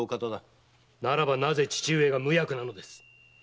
ならばなぜ父上が無役なのです？